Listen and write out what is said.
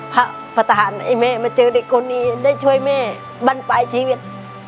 พระประธานไอ้แม่มาเจอเด็กคนนี้ได้ช่วยแม่บ้านปลายชีวิต